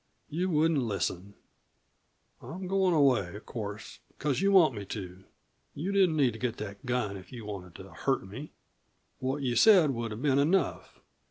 "You wouldn't listen. I'm goin' away, of course, because you want me to. You didn't need to get that gun if you wanted to hurt me what you've said would have been enough."